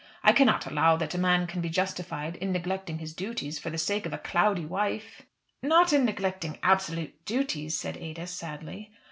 I cannot allow that a man can be justified in neglecting his duties for the sake of a cloudy wife." "Not in neglecting absolute duties," said Ada, sadly.